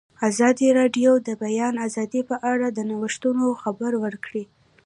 ازادي راډیو د د بیان آزادي په اړه د نوښتونو خبر ورکړی.